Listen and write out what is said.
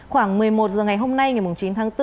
khoảng một mươi một h ngày hôm nay ngày chín tháng bốn